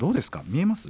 見えます？